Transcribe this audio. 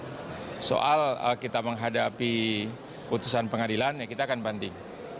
jadi soal kita menghadapi keputusan pengadilan kita akan banding